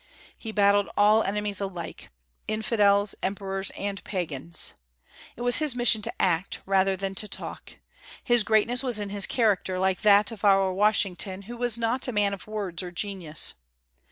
He battled all enemies alike, infidels, emperors, and Pagans. It was his mission to act, rather than to talk. His greatness was in his character, like that of our Washington, who was not a man of words or genius.